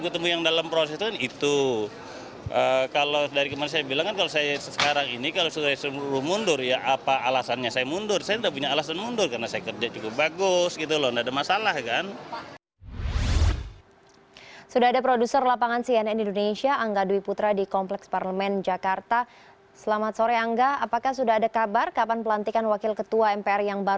titi soeharto menjawab